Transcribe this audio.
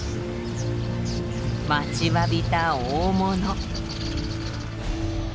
待ちわびた大物。